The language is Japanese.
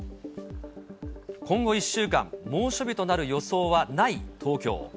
今後１週間、猛暑日となる予想はない東京。